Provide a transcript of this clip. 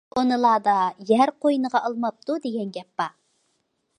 كونىلاردا« يەر قوينىغا ئالماپتۇ» دېگەن گەپ بار.